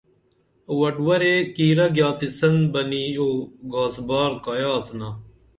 وٹ ورے کِرہ گِیاڅی سن بنی او گاس بار کایہ آڅِنا